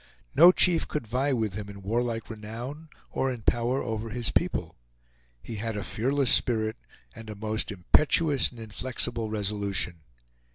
No chief could vie with him in warlike renown, or in power over his people. He had a fearless spirit, and a most impetuous and inflexible resolution.